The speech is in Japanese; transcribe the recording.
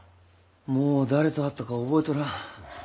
もう誰と会ったか覚えとらん。